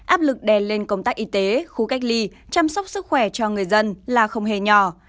áp lực đèn lên công tác y tế khu cách ly chăm sóc sức khỏe cho người dân là không hề nhỏ